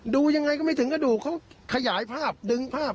ดูยังไงก็ไม่ถึงกระดูกเขาขยายภาพดึงภาพ